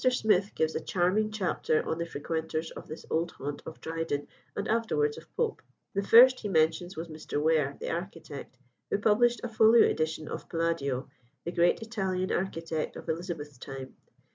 Smith gives a charming chapter on the frequenters of this old haunt of Dryden and afterwards of Pope. The first he mentions was Mr. Ware, the architect, who published a folio edition of Palladio, the great Italian architect of Elizabeth's time.